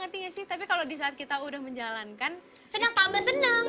ngetiknya sih tapi kalau disaat kita udah menjalankan seneng tambah seneng